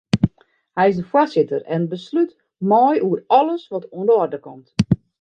Hy is de foarsitter en beslút mei oer alles wat oan de oarder komt.